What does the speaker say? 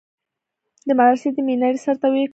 د مدرسې د مينارې سر ته يې وكتل.